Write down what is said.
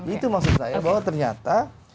itu maksud saya bahwa ternyata